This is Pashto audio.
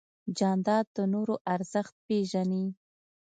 جانداد د نورو ارزښت پېژني.